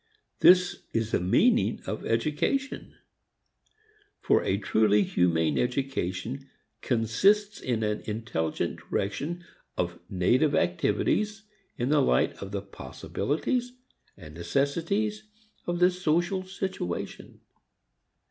This is the meaning of education; for a truly humane education consists in an intelligent direction of native activities in the light of the possibilities and necessities of the social situation.